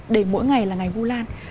để mỗi ngày là ngày vu lan